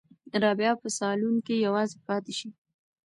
رابعه به په صالون کې یوازې پاتې شي.